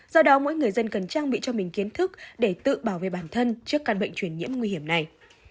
do đó mỗi người dân cần trang bị cho mình kiến thức để tự bảo vệ bản thân trước căn bệnh truyền nhiễm nguy hiểm này